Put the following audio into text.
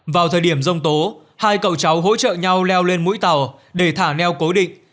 vào thời điểm dông tố hai cậu cháu hỗ trợ nhau leo lên mũi tàu để thả neo cố định